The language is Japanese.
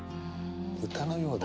歌のようだ。